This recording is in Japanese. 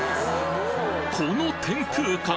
この天空感！